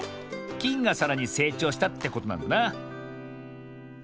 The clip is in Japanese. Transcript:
きんがさらにせいちょうしたってことなんだな。